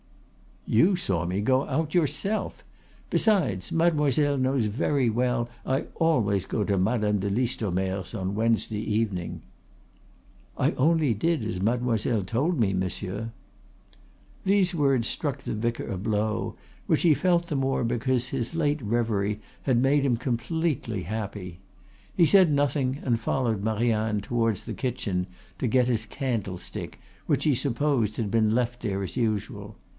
"You saw me go out, yourself. Besides, Mademoiselle knows very well I always go to Madame de Listomere's on Wednesday evening." "I only did as Mademoiselle told me, monsieur." These words struck the vicar a blow, which he felt the more because his late revery had made him completely happy. He said nothing and followed Marianne towards the kitchen to get his candlestick, which he supposed had been left there as usual.